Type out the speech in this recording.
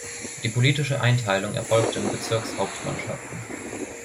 Die politische Einteilung erfolgte in Bezirkshauptmannschaften.